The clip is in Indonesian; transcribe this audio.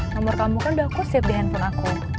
nomor kamu kan udah aku siap di handphone aku